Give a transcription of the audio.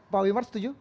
pak wimar setuju